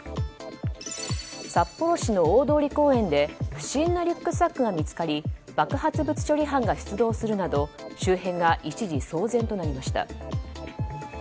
札幌市の大通公園で不審なリュックサックが見つかり爆発物処理班が出動するなど周辺が一時、騒然となりました。